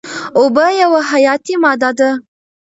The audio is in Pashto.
اوبه یوه حیاتي ماده ده.